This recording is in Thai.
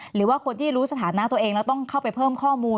หรือว่าคนที่รู้สถานะตัวเองแล้วต้องเข้าไปเพิ่มข้อมูล